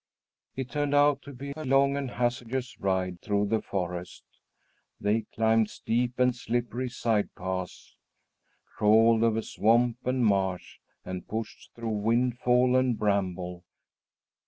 It turned out to be a long and hazardous ride through the forest. They climbed steep and slippery side paths, crawled over swamp and marsh, and pushed through windfall and bramble.